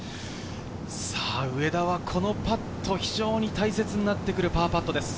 上田はこのパット、非常に大切になってくるパーパットです。